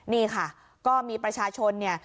นี่ค่ะก็มีประชาชนเนี่ย